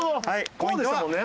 こうでしたもんね。